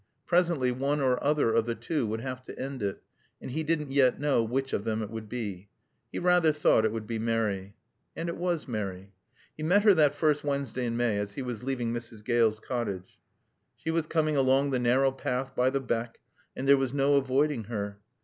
Presently one or other of the two would have to end it, and he didn't yet know which of them it would be. He rather thought it would be Mary. And it was Mary. He met her that first Wednesday in May, as he was leaving Mrs. Gale's cottage. She was coming along the narrow path by the beck and there was no avoiding her.